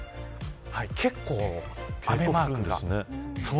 結構、雨マークが。